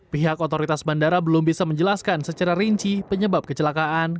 pihak otoritas bandara belum bisa menjelaskan secara rinci penyebab kecelakaan